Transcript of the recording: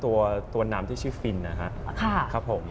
คราสต์เป็นตัวน้ำที่ชื่อฟินนะครับ